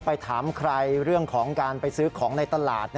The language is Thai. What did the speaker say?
ไปถามใครเรื่องของการไปซื้อของในตลาด